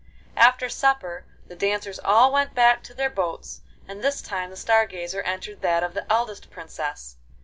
After supper, the dancers all went back to their boats, and this time the Star Gazer entered that of the eldest Princess.